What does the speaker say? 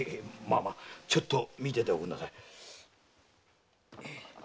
まあちょっと見てておくんなさい。